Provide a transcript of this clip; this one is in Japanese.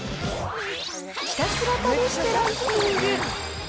ひたすら試してランキング。